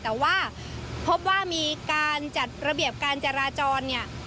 แต่ว่าพบว่ามีการจัดระเบียบการจราจรเนี่ย